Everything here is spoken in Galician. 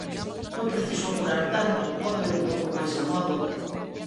Non preciso apurar tanto, podo ir un pouco máis amodo.